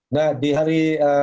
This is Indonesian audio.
nah di hari